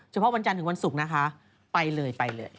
เฉพาะวันจันทร์ถึงวันศุกร์นะคะไปเลย